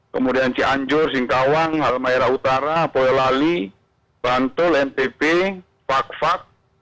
kemudian cianjur singkawang halma era utara boyolali bantul ntb pak pak